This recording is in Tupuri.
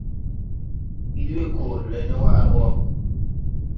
Kid we koore le ne waare wo.